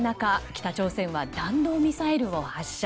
北朝鮮は弾道ミサイルを発射。